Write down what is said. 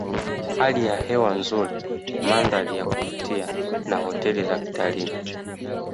Hali ya hewa nzuri mandhari ya kuvutia na hoteli za kitalii